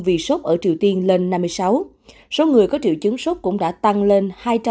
vì sốt ở triều tiên lên năm mươi sáu số người có triệu chứng sốt cũng đã tăng lên hai trăm sáu mươi chín năm trăm một mươi